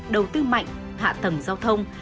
đầu tư mạnh hạ tầng giao thông